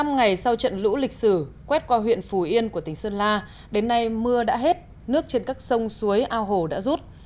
một mươi năm ngày sau trận lũ lịch sử quét qua huyện phù yên của tỉnh sơn la đến nay mưa đã hết nước trên các sông suối ao hồ đã rút